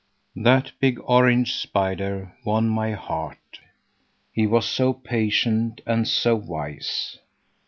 That big, orange spider won my heart; he was so patient and so wise.